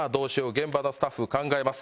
現場のスタッフ考えます。